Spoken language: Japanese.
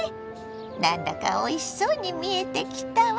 なんだかおいしそうに見えてきたわ。